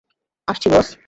আসছি, বস।